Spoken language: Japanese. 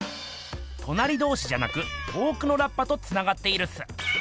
となりどうしじゃなく遠くのラッパとつながっているっす。